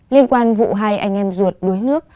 liên quan vụ hai anh em ruột đuối nước